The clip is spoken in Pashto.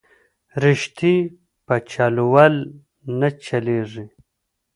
رشتې په چل ول نه چلېږي